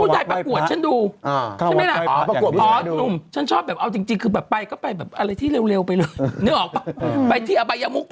ใช่ไหมฟุตบอลนางงามไม่ดู